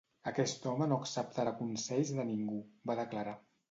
"Aquest home no acceptarà consells de ningú", va declarar.